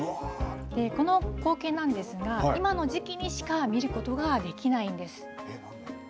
この光景なんですが今の時期にしか見ることができないんです。